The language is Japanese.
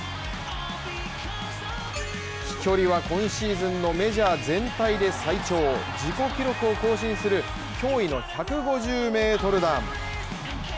飛距離は今シーズンのメジャー全体で最長、自己記録を更新する驚異の１５０メートル弾。